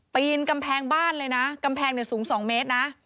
ปีนกำแพงบ้านเลยนะกำแพงเนี่ยสูง๒เมตรนะ